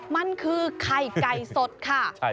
มันคือไข่ไก่สดค่ะ